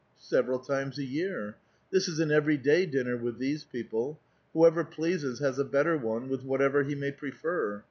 "Several times a year. This is an very day dinner with these people ; whoever pleases has a better one, with whatever he may prefer.